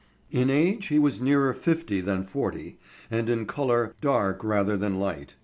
In age he was nearer fifty than forty, and in color dark rather than light.